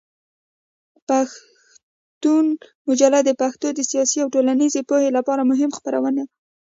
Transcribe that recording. پښتون مجله د پښتنو د سیاسي او ټولنیزې پوهې لپاره مهمه خپرونه وه.